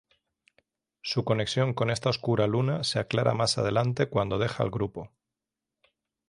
Su conexión con esta oscura luna se aclara más adelante cuando deja el grupo.